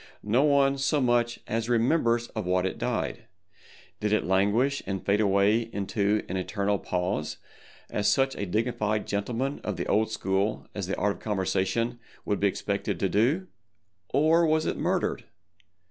No one so much as remembers of what it died. Did it languish and fade away into an Eternal Pause as such a dignified gentleman of the old school as the Art of Conversation would be expected to do—or was it murdered?